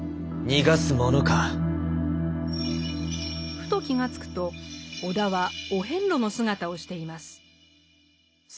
ふと気が付くと尾田はお遍路の姿をしています。